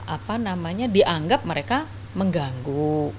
apa namanya dianggap mereka mengganggu